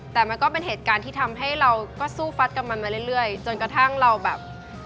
แต่มันก็เป็นเหตุการณ์ที่ทำให้เราก็สู้ฟัดกับมันมาเรื่อยจนกระทั่งเราแบบ